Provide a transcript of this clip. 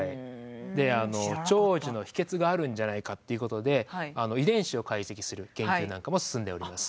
であの長寿の秘けつがあるんじゃないかっていうことで遺伝子を解析する研究なんかも進んでおります。